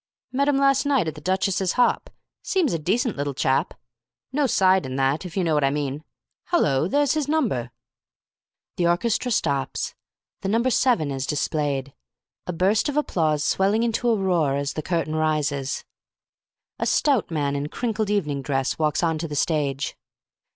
"Met him last night at the Duchess's hop. Seems a decent little chap. No side and that, if you know what I mean. Hullo, there's his number!" The orchestra stops. The number 7 is displayed. A burst of applause, swelling into a roar as the curtain rises. A stout man in crinkled evening dress walks on to the stage.